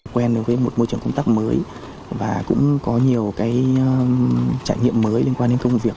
quen đối với một môi trường công tác mới và cũng có nhiều trải nghiệm mới liên quan đến công việc